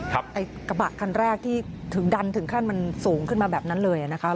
ไอ้กระบะคันแรกที่ถึงดันถึงขั้นมันสูงขึ้นมาแบบนั้นเลยนะคะ